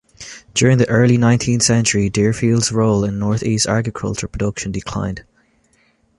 During the early nineteenth century Deerfield's role in Northeast agricultural production declined.